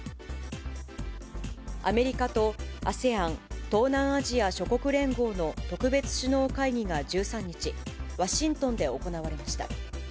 アメリカとＡＳＥＡＮ・東南アジア諸国連合の特別首脳会議が１３日、ワシントンで行われました。